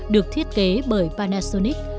được thiết kế bởi panasonic